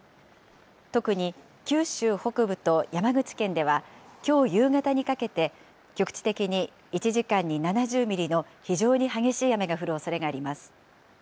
特に九州北部と山口県ではきょう夕方にかけて、局地的に１時間に７０ミリの非常に激しい雨が降るおそれがあります。